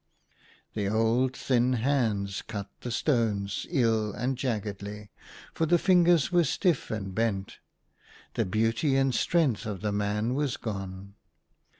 The old, thin hands cut the stones ill and jaggedly, for the fingers were stiff and bent. The beauty and the strength of the man was gone.